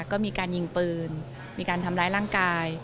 ก็มีการยิงปืนมีการทำร้ายร่างกาย